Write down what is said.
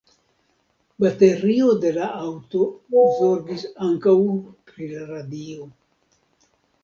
Baterio de la aŭto zorgis ankaŭ pri la radio.